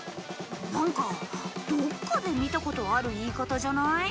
何かどっかで見たことある言い方じゃない？